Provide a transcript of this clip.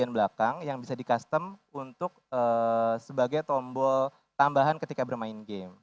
bagian belakang yang bisa di custom untuk sebagai tombol tambahan ketika bermain game